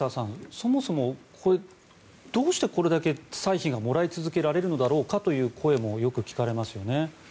そもそもどうしてこれだけ歳費がもらい続けられるのだろうかという声もよく聞かれますよね。